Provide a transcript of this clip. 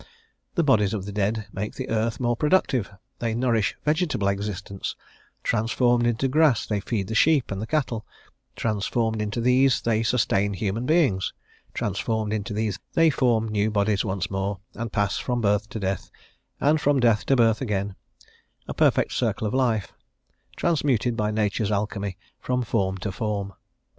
The bodies of the dead make the earth more productive; they nourish vegetable existence; transformed into grass they feed the sheep and the cattle; transformed into these they sustain human beings; transformed into these they form new bodies once more, and pass from birth to death, and from death to birth again, a perfect circle of life, transmuted by Nature's alchemy from form to form.